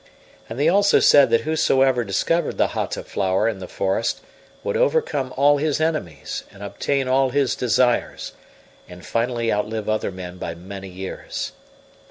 And they also said that whosoever discovered the Hata flower in the forest would overcome all his enemies and obtain all his desires, and finally outlive other men by many years.